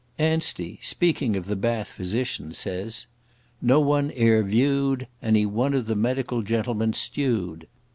Anstey, speaking of the Bath physicians, says, "No one e'er viewed Any one of the medical gentlemen stewed."